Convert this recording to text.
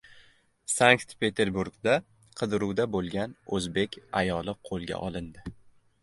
Sankt-Peterburgda qidiruvda bo‘lgan o‘zbek ayoli qo‘lga olindi